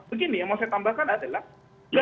begini yang mau saya tambahkan adalah